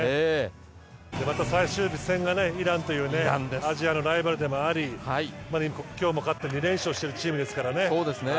また、最終戦がイランというアジアのライバルでもあり今日も勝って２連勝しているチームですからね。